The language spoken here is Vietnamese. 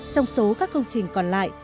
trong số các công trình còn lại